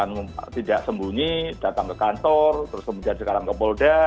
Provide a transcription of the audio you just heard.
kemudian kembunyi datang ke kantor terus kemudian sekarang ke polda